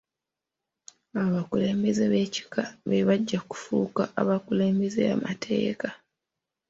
Abakulembeze b'ekika be bajja okufuuka abakulembeze amateeka.